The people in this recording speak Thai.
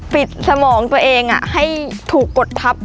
สมองตัวเองให้ถูกกดทับ